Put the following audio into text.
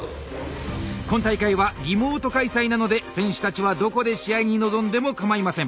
今大会はリモート開催なので選手たちはどこで試合に臨んでもかまいません。